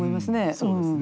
そうですね。